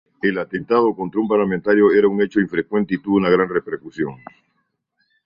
El atentado contra un parlamentario era un hecho infrecuente y tuvo una gran repercusión.